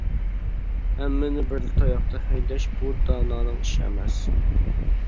ھەممىنى بىرلا تاياقتا ھەيدەش بۇ دانانىڭ ئىشى ئەمەس.